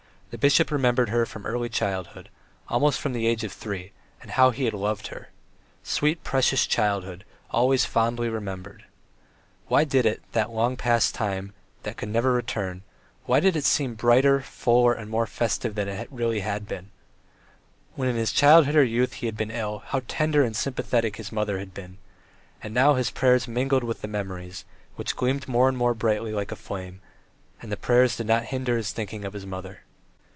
The bishop remembered her from early childhood, almost from the age of three, and how he had loved her! Sweet, precious childhood, always fondly remembered! Why did it, that long past time that could never return, why did it seem brighter, fuller, and more festive than it had really been? When in his childhood or youth he had been ill, how tender and sympathetic his mother had been! And now his prayers mingled with the memories, which gleamed more and more brightly like a flame, and the prayers did not hinder his thinking of his mother.